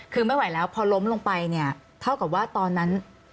คือไม่ไหวแล้วพอล้มลงไปเนี่ยเท่ากับว่าตอนนั้น